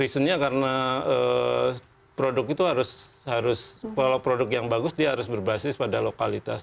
reasonnya karena produk itu harus kalau produk yang bagus dia harus berbasis pada lokalitas